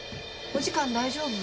お時間大丈夫？